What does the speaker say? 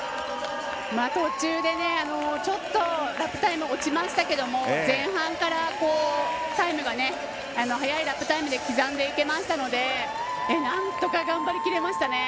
途中で、ちょっとラップタイムが落ちましたが前半からタイムが速いラップタイムで刻んでいけましたのでなんとか、頑張りきれましたね。